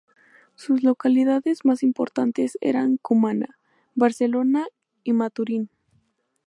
Sus localidades más importantes eran Cumaná, Barcelona y Maturín.